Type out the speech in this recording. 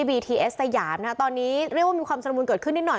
ทีเอสสยามนะคะตอนนี้เรียกว่ามีความสละมุนเกิดขึ้นนิดหน่อย